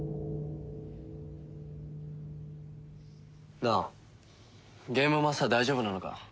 なあゲームマスター大丈夫なのか？